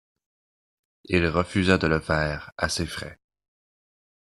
Il refusa de le faire à ses frais.